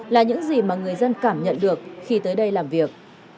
là những gì mà người dân cảm nhận được khi tới đây làm việc